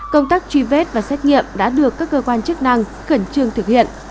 công tác truy vết và xét nghiệm đã được các cơ quan chức năng khẩn trương thực hiện